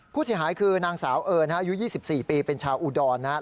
ผู้เสียหายคือนางสาวเอิญอายุ๒๔ปีเป็นชาวอุดรนะครับ